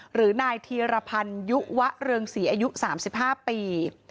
หรือนายธีรพันธ์ยุวะเรืองศรีอายุ๓๕ปี